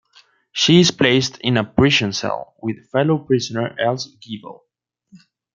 She is placed in a prison cell with fellow prisoner Else Gebel.